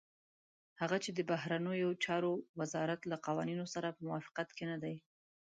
هغه چې د بهرنيو چارو وزارت له قوانينو سره په موافقت کې نه دي.